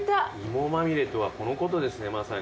芋まみれとはこのことですね。